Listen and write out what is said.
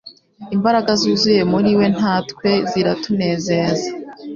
Imbaraga zuzuye muri we natwe ziratunezeza